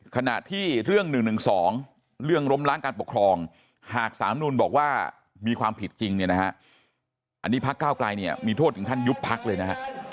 ขณะที่เรื่อง๑๑๒เรื่องล้มล้างการปกครองหากสามนุนบอกว่ามีความผิดจริงเนี่ยนะฮะอันนี้พักเก้าไกลเนี่ยมีโทษถึงขั้นยุบพักเลยนะฮะ